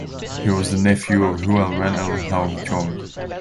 He was the nephew of Huan Wen and Huan Chong.